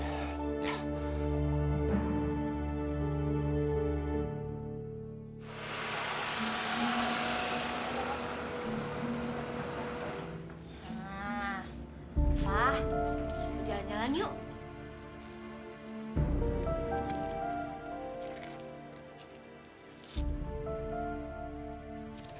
pak jalan jalan yuk